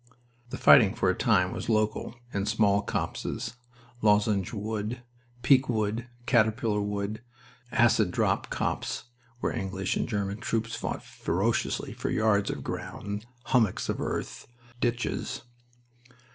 The fighting for a time was local, in small copses Lozenge Wood, Peak Wood, Caterpillar Wood, Acid Drop Copse where English and German troops fought ferociously for yards of ground, hummocks of earth, ditches.